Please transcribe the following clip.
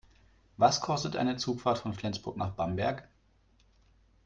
Was kostet eine Zugfahrt von Flensburg nach Bamberg?